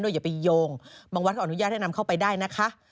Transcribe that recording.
อย่าไปโยงบางวัดเขาอนุญาตให้นำเข้าไปได้นะคะ